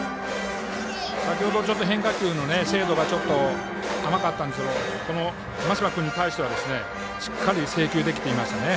先ほど変化球の精度が甘かったんですけども真柴君に対してはしっかり制球できていましたね。